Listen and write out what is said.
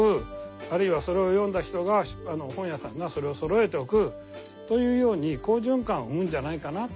あるいはそれを読んだ人が本屋さんがそれをそろえておくというように好循環を生むんじゃないかなって。